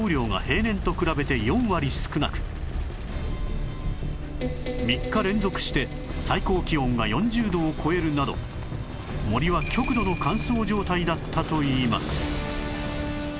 この年は３日連続して最高気温が４０度を超えるなど森は極度の乾燥状態だったといいます